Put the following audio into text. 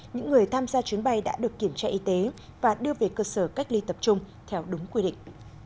những người tham gia chuyến bay đã được kiểm tra y tế và đưa về cơ sở cách ly tập trung theo đúng quy định